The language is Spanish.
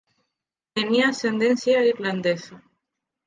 Tenía ascendencia irlandesa.